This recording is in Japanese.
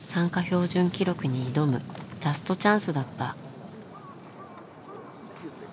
標準記録に挑むラストチャンスだった。